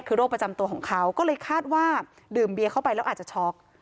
คือโรคประจำตัวของเขาก็เลยคาดว่าดื่มเบียเข้าไปแล้วอาจจะช็อก